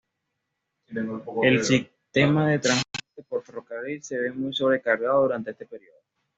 El sistema de transporte por ferrocarril se ve muy sobrecargado durante este período.